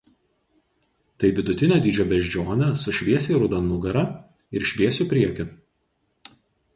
Tai vidutinio dydžio beždžionė su šviesiai ruda nugara ir šviesiu priekiu.